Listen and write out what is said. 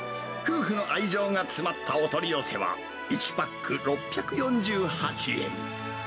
夫婦の愛情が詰まったお取り寄せは、１パック６４８円。